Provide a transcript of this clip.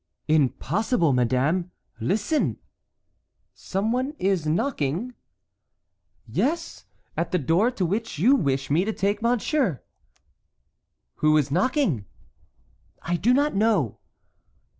"Impossible, madame. Listen." "Some one is knocking?" "Yes, at the door to which you wish me to take monsieur." "Who is knocking?" "I do not know."